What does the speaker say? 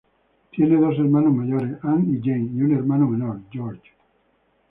Tiene dos hermanas mayores, Ann y Jane, y un hermano menor, George.